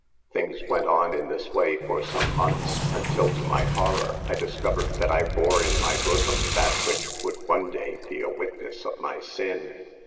" 4 Things went on in this way for some months, until to my horror I discovered that I bore in my bosom that which would one day be a witness of my sin.